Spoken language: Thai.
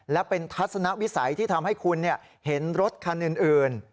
และเป็นทัศนวิสัยที่ทำให้คุณเห็นรถคันอื่น